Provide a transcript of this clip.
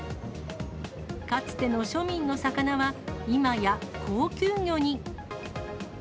かつての庶民の魚は今や高級魚に。